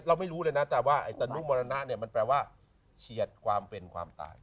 เราไม่รู้เลยนะแต่ว่าไอ้ตนุมรณะเนี่ยมันแปลว่าเฉียดความเป็นความตาย